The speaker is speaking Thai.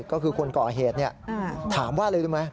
ก็คือคนเกาะเหตุเนี่ยถามว่าเลยดูไหม